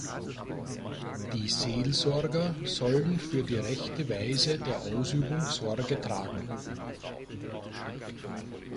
Die Seelsorger sollen für die rechte Weise der Ausübung Sorge tragen.